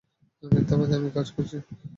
মিথ্যাবাদী, - আমি কাজ করছি।